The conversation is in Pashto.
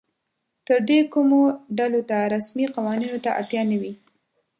تر دې کمو ډلو ته رسمي قوانینو ته اړتیا نه وي.